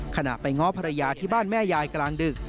ขณะไปง้อภรรยาที่บ้านแม่ยายกลางดึก